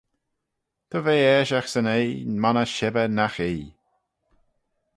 Dy ve aashagh 'syn oie monney shibber nagh ee,